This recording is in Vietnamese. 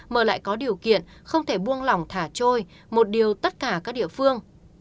mà lại có điều kiện không thể buông lỏng thả trôi một điều tất cả các địa phương